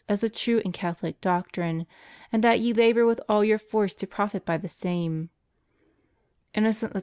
51 Thomas as the true and Catholic doctrine, and that ye labor with all your force to profit by the same." ^ Inno cent XII.